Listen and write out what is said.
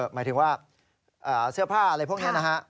หมายถึงว่าเสื้อผ้าอะไรพวกนี้นะฮะ